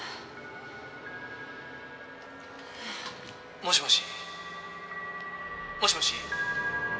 「もしもし？もしもし？」